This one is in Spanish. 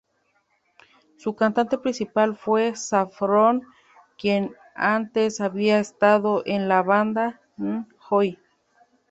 Su cantante principal fue Saffron quien antes había estado en la banda N-Joi.